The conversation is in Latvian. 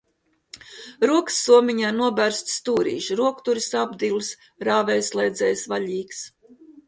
Rokassomiņai noberzti stūrīši, rokturis apdilis, rāvējslēdzējs vaļīgs.